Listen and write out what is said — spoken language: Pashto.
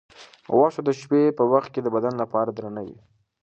غوښه د شپې په وخت کې د بدن لپاره درنه وي.